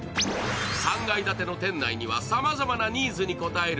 ３階建ての店内にはさまざまなニーズに応える